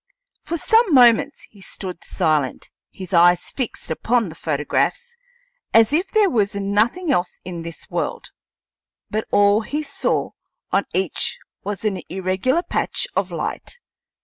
For some moments he stood silent, his eyes fixed upon the photographs as if there was nothing else in this world; but all he saw on each was an irregular patch of light.